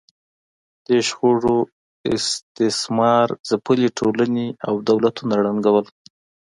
دې شخړو استثمار ځپلې ټولنې او دولتونه ړنګول